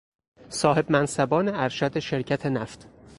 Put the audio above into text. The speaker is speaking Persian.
صاحب منصبان ارشد شرکت نفت